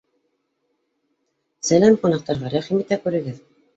- Сәләм ҡунаҡтарға, рәхим итә күрегеҙ